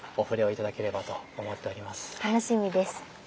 楽しみです。